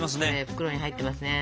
袋に入ってますね。